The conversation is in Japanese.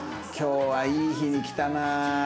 今日はいい日に来たな。